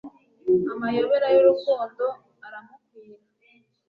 amayobera y'urukundo aramukwira